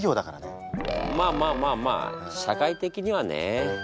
まあまあまあまあ社会的にはね。